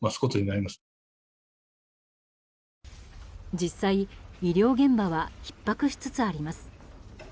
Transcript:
実際、医療現場はひっ迫しつつあります。